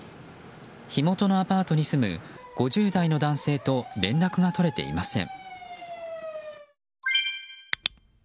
火元のアパートに住む５０代の男性と連絡が取れていません。